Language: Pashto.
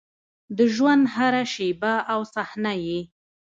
د ژونـد هـره شـيبه او صحـنه يـې